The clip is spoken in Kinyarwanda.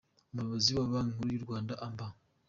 Umuyobozi wa Banki Nkuru y’u Rwanda Amb.